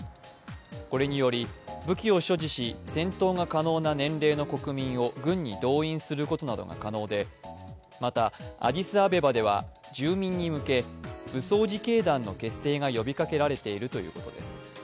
これにより、武器を所持し、戦闘が可能な年齢の国民を軍に動員することなどが可能で、また、アディスアベバでは住民に向け、武装自警団の結成が呼びかけられているということです。